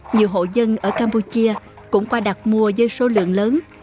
nhiều hộ dân ở campuchia cũng qua đặt mua với số lượng lớn